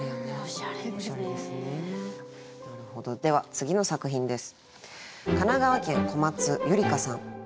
では次の作品です。